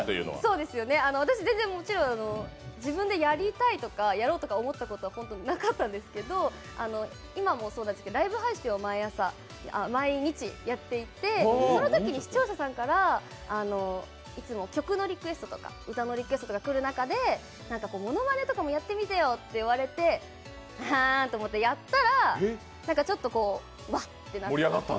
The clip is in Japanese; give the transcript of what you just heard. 私、全然、もちろん自分でやりたいとかやろうとか思ったことは本当はなかったんですけど今もそうなんですけど、ライブ配信を毎日やっていてそのときに視聴者さんからいつも曲のリクエストとか歌のリクエストとかが来る中でものまねとかもやってみてよと言われて、あはって思ってやったら、何かちょっとうわっと。